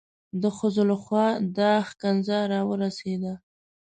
د ښځو لخوا دا ښکنځا را ورسېده.